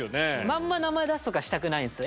まんま名前出すとかしたくないんすよ。